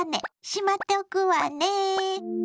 閉まっておくわね！